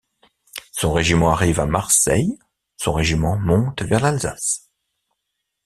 Son régiment arrive à Marseille, son régiment monte vers l'Alsace.